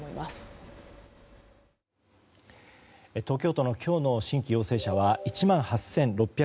東京都の今日の新規陽性者は１万８６６０人。